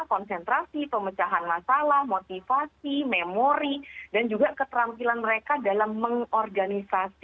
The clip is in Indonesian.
konsentrasi pemecahan masalah motivasi memori dan juga keterampilan mereka dalam mengorganisasi